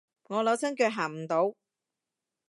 我扭親腳行唔到